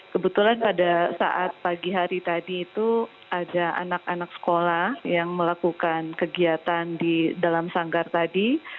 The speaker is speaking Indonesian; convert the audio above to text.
kebetulan pada saat pagi hari tadi itu ada anak anak sekolah yang melakukan kegiatan di dalam sanggar tadi